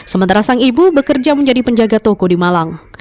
sementara sang ibu bekerja menjadi penjaga toko di malang